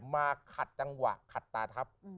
มาขัดจังหวะขัดตาทับ